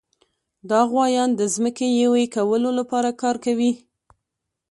دغه غوایان د ځمکې یوې کولو لپاره کار کوي.